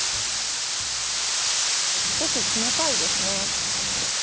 少し冷たいですね。